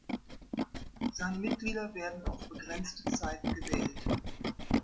Seine Mitglieder werden auf begrenzte Zeit gewählt.